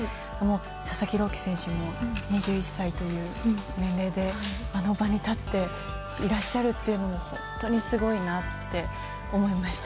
佐々木朗希選手も２１歳という年齢であの場に立っていらっしゃるっていうのが本当にすごいなって思いました。